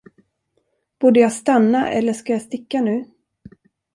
Borde jag stanna eller ska jag sticka nu?